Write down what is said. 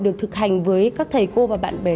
được thực hành với các thầy cô và bạn bè